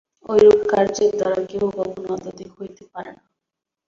ঐরূপ কার্যের দ্বারা কেহ কখনও আধ্যাত্মিক হইতে পারে না।